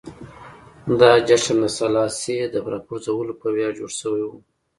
دا جشن د سلاسي د راپرځولو په ویاړ جوړ شوی و.